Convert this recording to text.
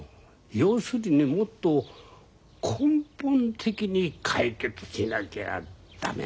要するにもっと根本的に解決しなきゃ駄目なんだ。